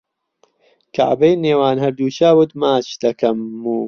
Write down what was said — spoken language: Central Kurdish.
کەعبەی نێوان هەردوو چاوت ماچ دەکەم و